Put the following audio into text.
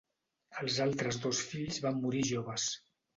Els altres dos fills van morir joves.